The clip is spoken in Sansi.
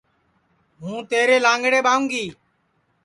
ہوں تیرے لانٚگڑے ٻاوں گی